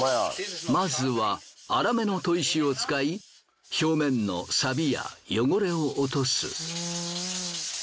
まずは粗めの砥石を使い表面のサビや汚れを落とす。